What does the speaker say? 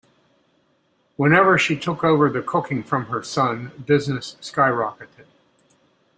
Whenever she took over the cooking from her son, business skyrocketed.